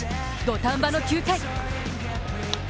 土壇場の９回。